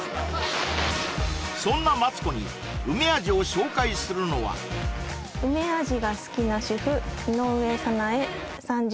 そんなマツコに梅味を紹介するのは梅味が好きな主婦井上早苗